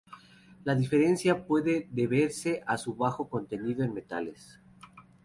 La diferencia puede deberse a su bajo contenido en metales.